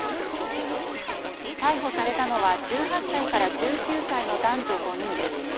逮捕されたのは１８歳から１９歳の男女５人です。